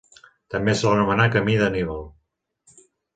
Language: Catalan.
També se l'anomenà Camí d'Anníbal.